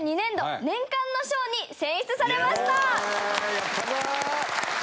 やったぞー！